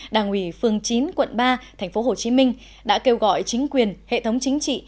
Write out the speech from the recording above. đảng ủy phường chín quận ba tp hcm đã kêu gọi chính quyền hệ thống chính trị